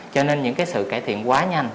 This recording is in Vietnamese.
cho nên những cái sự cải thiện quá nhanh